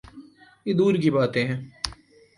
یہ دور کی باتیں ہیں۔